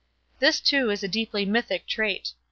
This, too, is a deeply mythic trait.